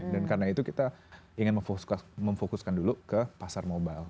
dan karena itu kita ingin memfokuskan dulu ke pasar mobile